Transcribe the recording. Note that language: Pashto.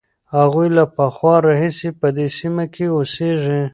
هغوی له پخوا راهیسې په دې سیمه کې اوسېږي.